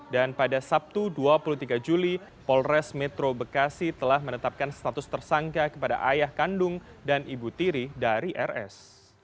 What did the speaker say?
dan pada sabtu dua puluh tiga juli polres metro bekasi telah menetapkan status tersangka kepada ayah kandung dan ibu tiri dari rs